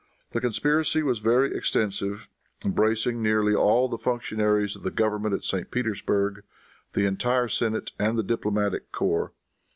The conspiracy was very extensive, embracing nearly all the functionaries of the government at St. Petersburg, the entire senate, and the diplomatic corps.